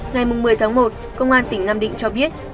ngày một mươi tháng một công an tỉnh nam định cho biết